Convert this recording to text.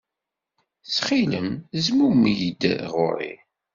Ttxil-m, zmumeg-d ɣer-i.